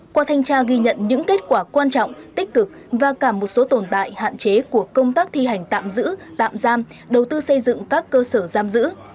qua thanh tra ghi nhận những kết quả quan trọng tích cực và cả một số tồn tại hạn chế của công tác thi hành tạm giữ tạm giam đầu tư xây dựng các cơ sở giam giữ